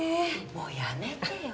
もうやめてよ。